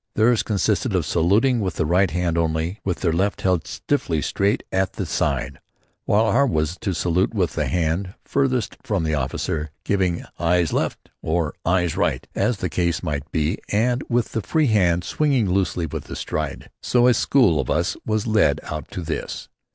Theirs consisted of saluting with the right hand only, with the left held stiffly straight at the side, while our way was to salute with the hand farthest from the officer, giving "Eyes left" or "Eyes right" as the case might be, and with the free hand swinging loosely with the stride. So a school of us were led out to this.